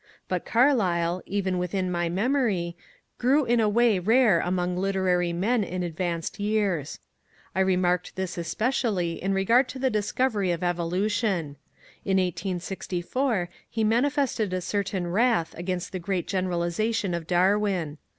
But Carlyle, even within my memory, grew in a way rare among literary men in advanced years. I remarked this especially in regard to the discovery of Evolu tion. In 1864 he manifested a certain wrath against the great generalization of Darwin.